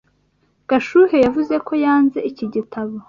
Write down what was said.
Gashuhe yavuze ko yanze iki gitabo.